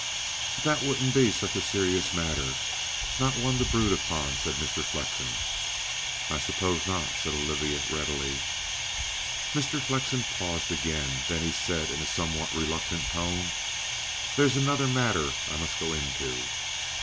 "But that wouldn't be such a serious matter not one to brood upon," said Mr. Flexen. "I suppose not," said Olivia readily. Mr. Flexen paused again; then he said in a somewhat reluctant tone: "There's another matter I must go into.